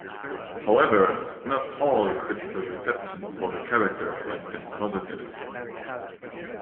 However, not all critical reception for the character has been positive.